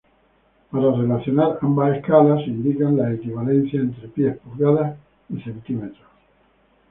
Para relacionar ambas escalas, se indican las equivalencias entre pies, pulgadas y centímetros.